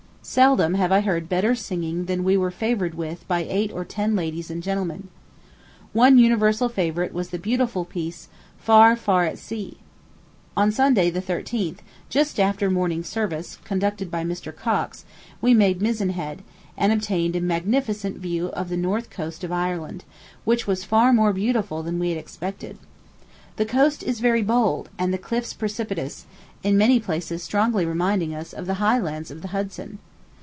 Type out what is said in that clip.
Seldom have I heard better singing than we were favored with by eight or ten ladies and gentlemen. One universal favorite was the beautiful piece, "Far, far at sea." On Sunday, the 13th, just after morning service, conducted by Mr. Cox, we made Mizzen Head, and obtained a magnificent view of the north coast of Ireland, which was far more beautiful than we had expected. The coast is very bold, and the cliffs precipitous, in many places strongly reminding us of the high lands of the Hudson.